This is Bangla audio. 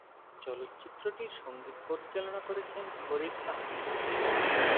চলচ্চিত্রটির সঙ্গীত পরিচালনা করেছেন ফরিদ আহমেদ।